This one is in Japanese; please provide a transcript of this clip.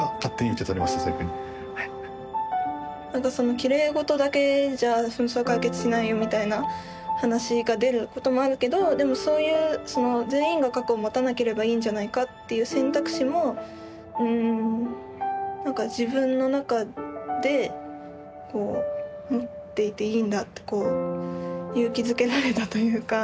きれいごとだけじゃ紛争は解決しないよみたいな話が出ることもあるけどでもそういう全員が核を持たなければいいんじゃないかっていう選択肢もうん何か自分の中で持っていていいんだってこう勇気づけられたというか。